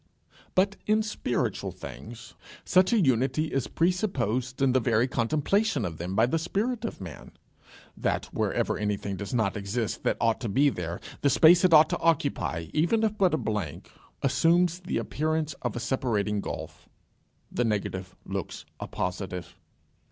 But in spiritual things, such a unity is pre supposed in the very contemplation of them by the spirit of man, that wherever anything does not exist that ought to be there, the space it ought to occupy, even if but a blank, assumes the appearance of a separating gulf. The negative looks a positive.